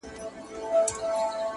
وغورځول.